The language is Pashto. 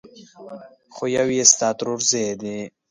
خو يو يې ستا ترورزی دی!